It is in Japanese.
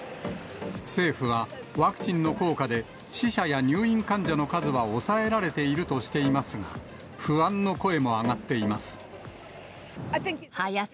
政府はワクチンの効果で、死者や入院患者の数は抑えられているとしていますが、不安の声も上がっています。